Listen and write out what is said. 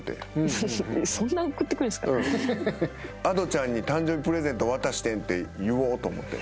Ａｄｏちゃんに誕生日プレゼント渡してんって言おうと思って。